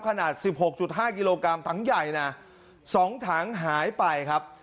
ขนาด๑๖๕กิโลกรัมถังใหญ่นะ๒ถังหายไปครับ